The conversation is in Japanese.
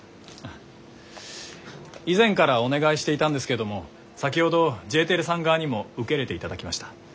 以前からお願いしていたんですけども先ほどＪテレさん側にも受け入れていただきました。